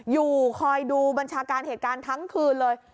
อยู่คอยดูบัญชาการเหตุการณ์ทั้งคืนเลย